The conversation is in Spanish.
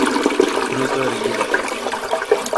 Fruto erguido.